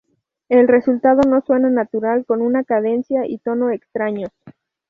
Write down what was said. El resultado no suena natural, con una cadencia y tono extraños.